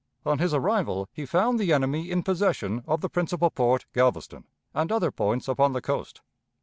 On his arrival, he found the enemy in possession of the principal port, Galveston, and other points upon the coast.